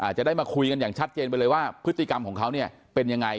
จะได้มาคุยกันอย่างชัดเจนไปเลยว่าพฤติกรรมของเขาเนี่ยเป็นยังไง